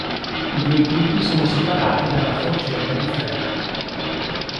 I due gruppi sono separati dalla Forcella di Fleres.